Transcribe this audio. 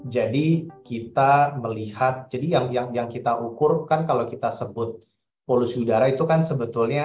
jadi kita melihat jadi yang kita ukur kan kalau kita sebut polusi udara itu kan sebetulnya